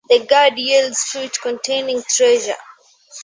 The gourd yields fruit containing treasure.